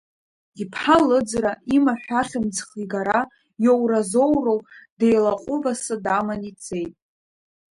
Иԥҳа лыӡра, имаҳә ахьымӡӷ игара, иоуразоуроу деилаҟәыбаса даман ицеит.